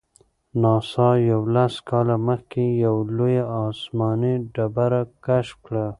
ناسا یوولس کاله مخکې یوه لویه آسماني ډبره کشف کړه.